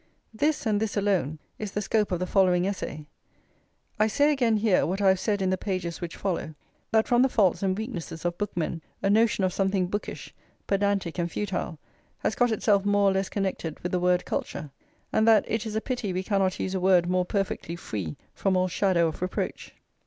This, and this alone, is the scope of the following essay. I say again here, what I have said in the pages which follow, that from the faults and weaknesses of bookmen a notion of something bookish, pedantic, and futile has got itself more or less connected with the word culture, and that it is a pity we cannot use a word more perfectly free from all shadow of reproach.